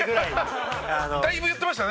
だいぶ言ってましたね。